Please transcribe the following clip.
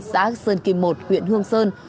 xã sơn kim một huyện hương sơn